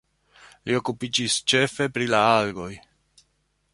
Li okupiĝis ĉefe pri la algoj.